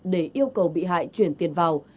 để yêu cầu bị hại chuyển tiền vào